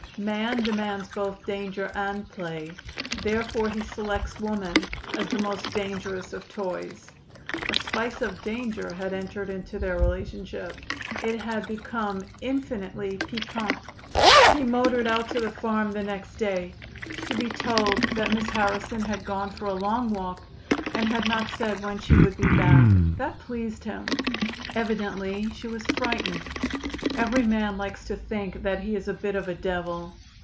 "Man demands both danger and play; therefore he selects woman as the most dangerous of toys." A spice of danger had entered into their relationship. It had become infinitely piquant. He motored out to the farm the next day, to be told that Miss Harrison had gone for a long walk and had not said when she would be back. That pleased him. Evidently she was frightened. Every man likes to think that he is a bit of a devil.